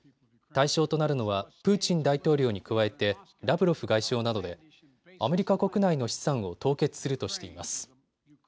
対象となるのはプーチン大統領に加えてラブロフ外相などでアメリカ国内の資産を凍結するとしています。